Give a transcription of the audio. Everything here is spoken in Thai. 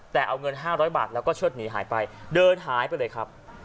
แต่เอาเงิน๕๐๐บาทแล้วก็เชิดหนีหายไปเดินหายไปเลยครับ